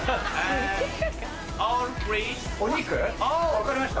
分かりました。